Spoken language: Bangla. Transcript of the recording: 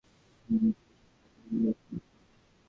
মুনির চিঠিটা টেবিলের উপর রাখল।